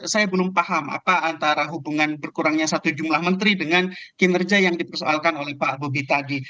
saya belum paham apa antara hubungan berkurangnya satu jumlah menteri dengan kinerja yang dipersoalkan oleh pak bobi tadi